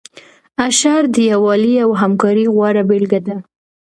اشر د یووالي او همکارۍ غوره بیلګه ده.